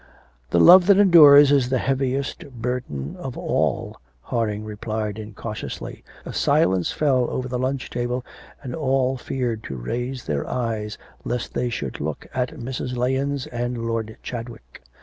'The love that endures is the heaviest burden of all,' Harding replied incautiously. A silence fell over the lunch table, and all feared to raise their eyes lest they should look at Mrs. Lahens and Lord Chadwick.